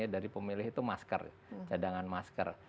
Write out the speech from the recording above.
dari pemilih itu masker cadangan masker